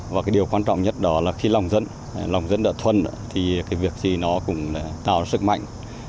và điều quan trọng nhất đó là khi lòng dẫn lòng dẫn đợt thuân thì việc gì nó cũng tạo ra sức mạnh